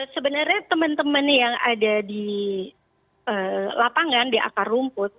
sebenarnya teman teman yang ada di lapangan di akar rumput